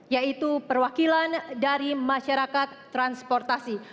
yaitu perwakilan dari masyarakat transportasi